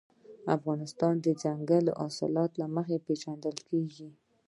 افغانستان د دځنګل حاصلات له مخې پېژندل کېږي.